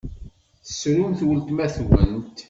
Tessrumt weltma-twent!